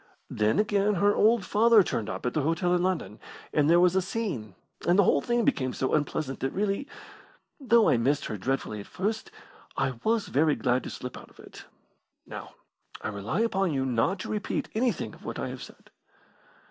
Then, again, her old father turned up at the hotel in London, and there was a scene, and the whole thing became so unpleasant that really though I missed her dreadfully at first I was very glad to slip out of it. Now, I rely upon you not to repeat anything of what I have said."